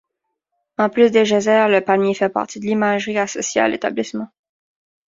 En plus des geysers, le palmier fait partie de l'imagerie associée à l’établissement.